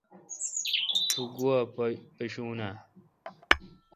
تو گوا پاشون اؘ۔